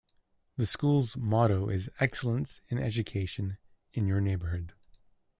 The school's motto is "Excellence in Education, in your Neighborhood".